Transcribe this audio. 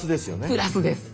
プラスです。